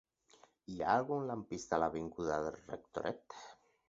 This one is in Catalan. Hi ha algun lampista a l'avinguda del Rectoret?